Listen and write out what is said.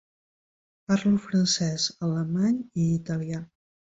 Parlo francès, alemany i italià.